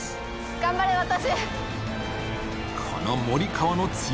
頑張れ私。